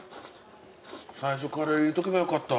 最初から入れとけばよかった。